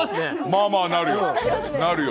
まあまあなるよなるよ。